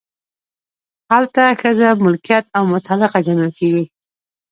هلته ښځه ملکیت او متعلقه ګڼل کیږي.